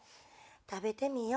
食べてみよ。